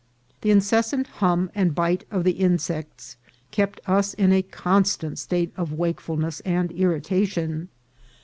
The incessant hum and bite of the insects kept us in a constant state of wakefulness and irritation.